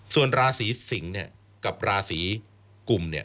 ส่วนราศีสิงศ์เนี่ยกับราศีกลุ่มเนี่ย